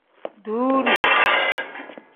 Duuri.